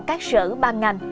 các sở ban ngành